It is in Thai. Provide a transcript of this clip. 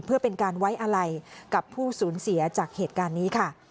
เพื่อเป็นการไว้อะไรกับผู้สูญเสียจากเหตุการณ์นี้ค่ะ